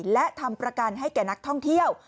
และทำประกันให้แก่นักท่องเที่ยว